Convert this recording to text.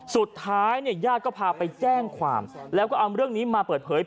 สุดท้ายเนี่ยญาติก็พาไปแจ้งความแล้วก็เอาเรื่องนี้มาเปิดเผย